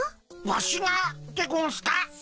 ワシがでゴンスか？